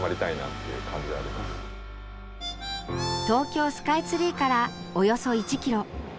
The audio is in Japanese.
東京スカイツリーからおよそ１ｋｍ。